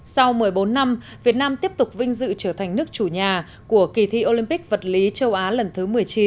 sau một mươi bốn năm việt nam tiếp tục vinh dự trở thành nước chủ nhà của kỳ thi olympic vật lý châu á lần thứ một mươi chín